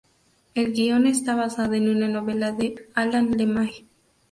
El guion está basado en una novela de Alan Le May.